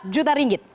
empat juta ringgit